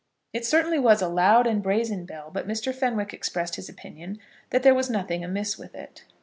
It certainly was a loud and brazen bell; but Mr. Fenwick expressed his opinion that there was nothing amiss with it.